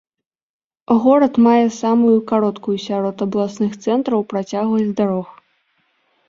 Горад мае самую кароткую сярод абласных цэнтраў працягласць дарог.